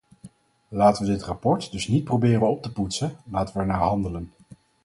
Laten we dit rapport dus niet proberen op te poetsen; laten we ernaar handelen.